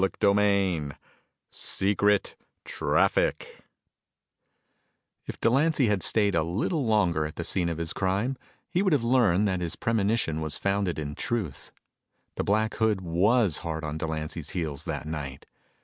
CHAPTER II Secret Traffic If Delancy had stayed a little longer at the scene of his crime, he would have learned that his premonition was founded in truth. The Black Hood was hard on Delancy's heels that night.